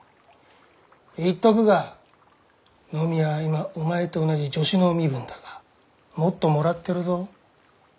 言っとくが野宮は今お前と同じ助手の身分だがもっともらってるぞ。